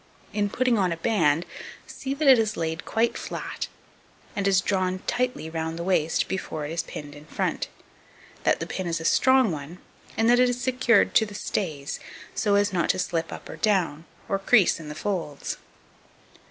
In putting on a band, see that it is laid quite flat, and is drawn tightly round the waist before it is pinned in front; that the pin is a strong one, and that it is secured to the stays, so as not to slip up or down, or crease in the folds.